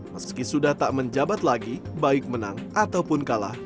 meski sudah terjadi sebuah kegiatan yang tidak bisa diperlukan untuk memanfaatkan kota solo